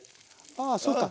あそうか。